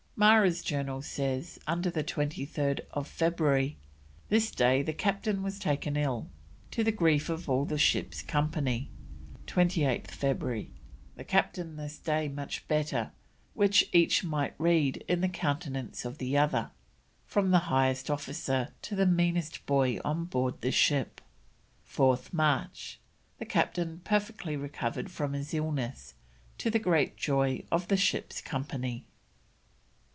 Marra's Journal says, under 23rd February: "This day the Captain was taken ill, to the grief of all the ship's company." 28th February: "The Captain this day much better, which each might read in the countenance of the other, from the highest officer to the meanest boy on board the ship." 4th March: "The Captain perfectly recovered from his illness, to the great joy of the ship's company."